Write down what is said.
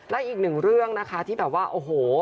และอีกหนึ่งเรื่องนะคะที่แบบว่าโอ้โห